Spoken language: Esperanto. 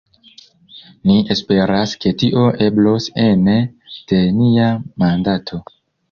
Ni esperas ke tio eblos ene de nia mandato.